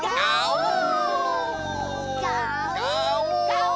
ガオ！